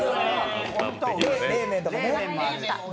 冷麺とかね。